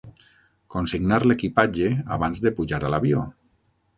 Consignar l'equipatge abans de pujar a l'avió.